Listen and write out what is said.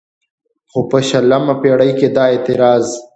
خو په شلمه پېړۍ کې دا اعتراض